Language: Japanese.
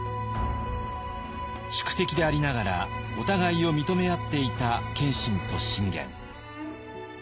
宿敵でありながらお互いを認め合っていた謙信と信玄。